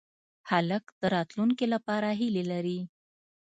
هلک د راتلونکې لپاره هیلې لري.